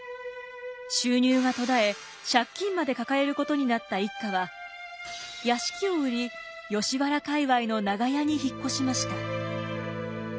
収入が途絶え借金まで抱えることになった一家は屋敷を売り吉原界わいの長屋に引っ越しました。